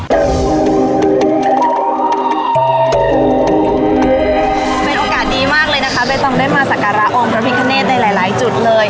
เป็นโอกาสดีมากเลยนะคะใบตองได้มาสักการะองค์พระพิคเนตในหลายจุดเลย